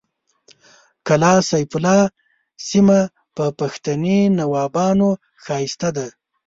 کلا سیف الله سیمه په پښتني نوابانو ښایسته ده